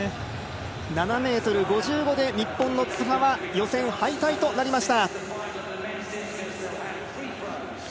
７ｍ５５で日本の津波は予選敗退となりました。